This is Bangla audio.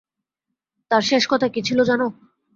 তার শেষ কথা কি ছিল জানো?